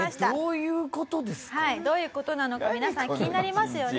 どういう事なのか皆さん気になりますよね。